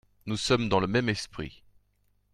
Nous sommes dans le même esprit.